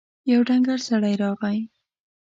يو ډنګر سړی راغی.